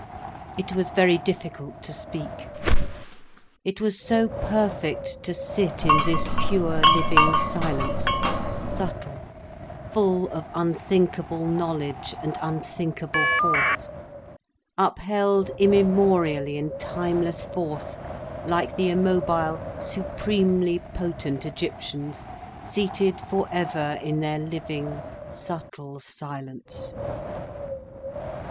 It was very difficult to speak, it was so perfect to sit in this pure living silence, subtle, full of unthinkable knowledge and unthinkable force, upheld immemorially in timeless force, like the immobile, supremely potent Egyptians, seated forever in their living, subtle silence.